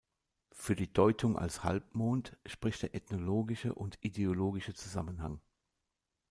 Für die Deutung als Halbmond spricht der ethnologische und ideologische Zusammenhang.